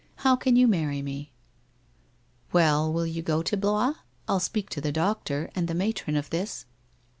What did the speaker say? How can you marry me ?'' Well, will you go to Blois ? I'll speak to the doctor and the matron of this.'